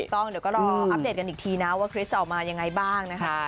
ต้องเดี๋ยวก็รออัปเดตกันอีกทีนะว่าคริสจะออกมายังไงบ้างนะคะ